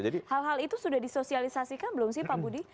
hal hal itu sudah disosialisasikan belum sih pak budi